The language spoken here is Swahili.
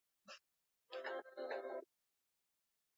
Aliteuliwa wakati wa utawala wa rais Jakaya Kikwete